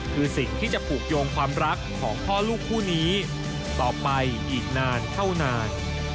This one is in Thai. คือสิ่งที่จะผูกโยงความรักของพ่อลูกคู่นี้ต่อไปอีกนานเท่านาน